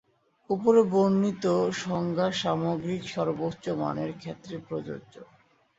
উপরে বর্ণিত সংজ্ঞা সামগ্রিক সর্বোচ্চ মানের ক্ষেত্রে প্রযোজ্য।